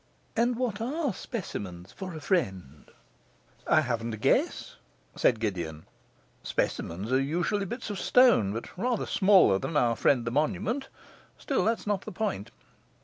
And what are specimens for a friend?' 'I haven't a guess,' said Gideon. 'Specimens are usually bits of stone, but rather smaller than our friend the monument. Still, that is not the point.